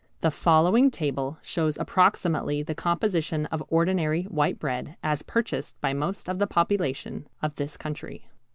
The following table shows approximately the composition of ordinary white bread as purchased by most of the population of this country.